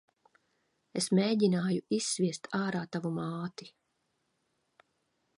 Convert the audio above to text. Es mēgināju izsviest ārā tavu māti.